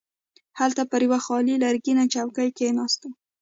هلته پر یوه خالي لرګینه چوکۍ کښیناستو.